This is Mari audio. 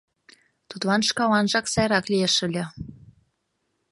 Тудлан шкаланжак сайрак лиеш ыле.